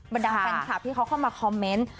บรรดาแฟนคลับที่เขาเข้ามาคอมเมนต์